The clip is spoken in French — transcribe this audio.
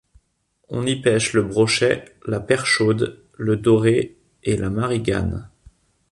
On y pêche le brochet, la perchaude, le doré et la marigane.